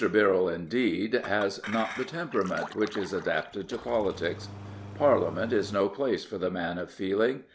Birrell, indeed, has not the temperament which is adapted to politics. Parliament is no place for the Augustin^ Birrell, K.C. man of feeling.